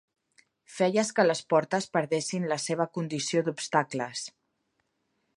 Feies que les portes perdessin la seva condició d'obstacles.